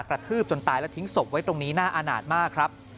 ทืบจนตายและทิ้งศพไว้ตรงนี้น่าอาณาจมากครับ